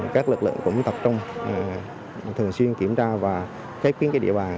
các lực lượng cũng tập trung thường xuyên kiểm tra và khép kiến cái địa bàn